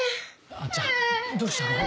あっちゃんどうしたの？